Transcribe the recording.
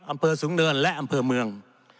อำเภอสูงเนินและอำเภอเมือง